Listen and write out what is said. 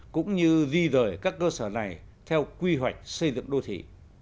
cũng như di rời các cơ sở này theo quy hoạch xây dựng đô thị